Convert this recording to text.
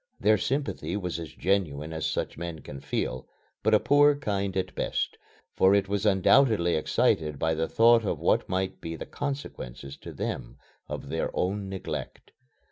Their sympathy was as genuine as such men can feel, but a poor kind at best, for it was undoubtedly excited by the thought of what might be the consequences to them of their own neglect.